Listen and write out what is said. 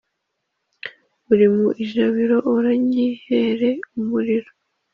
Uri mu ijabiro uranyihere umuriro.